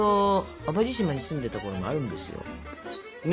淡路島に住んでたころもあるんですよ。ね。